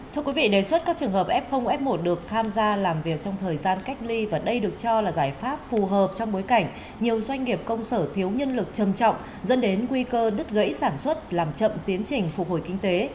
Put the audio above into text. thưa quý vị đề xuất các trường hợp f f một được tham gia làm việc trong thời gian cách ly và đây được cho là giải pháp phù hợp trong bối cảnh nhiều doanh nghiệp công sở thiếu nhân lực trầm trọng dẫn đến nguy cơ đứt gãy sản xuất làm chậm tiến trình phục hồi kinh tế